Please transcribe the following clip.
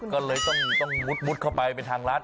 ก็เลยต้องมุดเข้าไปทางรัฐ